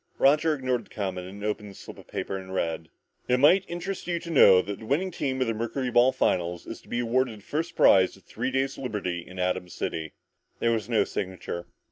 Roger ignored the comment and opened the slip of paper to read: "... It might interest you to know that the winning team of the mercuryball finals is to be awarded a first prize of three days' liberty in Atom City...." There was no signature.